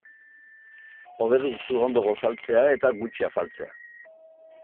Hobe duzu ondo gosaltzea eta gutxi afaltzea.